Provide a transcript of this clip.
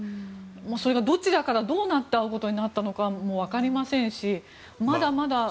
それがどちらからどうなって会うことになったかもわかりませんしまだまだ。